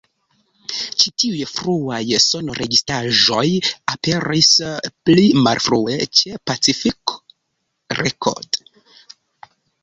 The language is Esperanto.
Ĉi tiuj fruaj sonregistraĵoj aperis pli malfrue ĉe Pacific Records.